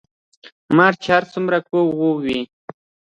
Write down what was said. ـ مار چې هر څومره کوږ وږ وي